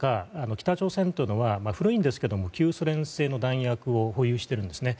北朝鮮というのは古いんですけど旧ソ連製の弾薬を保有しているんですね。